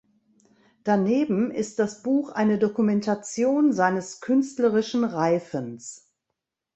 Daneben ist das Buch eine Dokumentation seines künstlerischen Reifens.